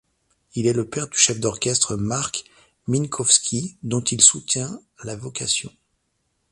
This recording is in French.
Il est le père du chef d'orchestre Marc Minkowski, dont il soutient la vocation.